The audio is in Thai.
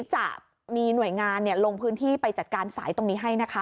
จะมีหน่วยงานลงพื้นที่ไปจัดการสายตรงนี้ให้นะคะ